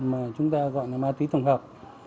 mà chúng ta gọi là ma túy tổng hợp